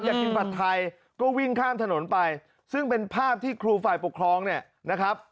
จะกินผัดไทยก็วิ่งข้ามถนนไปซึ่งเป็นภาพที่ครูฝ่ายปกครองเนี่ยนะครับ